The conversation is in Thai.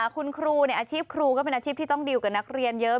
คุณครูอาชีพครูก็เป็นอาชีพที่ต้องดิวกับนักเรียนเยอะ